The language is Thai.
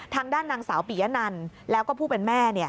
ทางด้านนางสาวปียะนันแล้วก็ผู้เป็นแม่